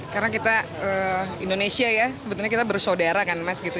karena kita indonesia ya sebetulnya kita bersaudara kan mas gitu